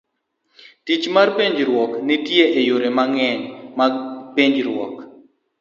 Tich mar penjruok .nitie e yore mang'eny mag penjruok.